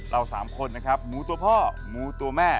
เรา๓คนนะครับหมูตัวพ่อหมูตัวแม่